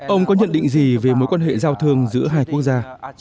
ông có nhận định gì về mối quan hệ giao thương giữa hai quốc gia